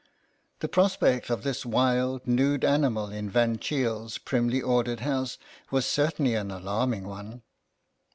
The prospect of this wild, nude animal in Van Cheele's primly ordered house was certainly an alarming one.